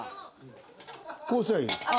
こうすりゃいいでしょ。